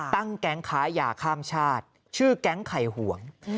ตั้งแก๊งขายาข้ามชาติชื่อแก๊งไข่หวง